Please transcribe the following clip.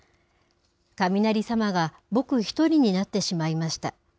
雷様が僕一人になってしまいました。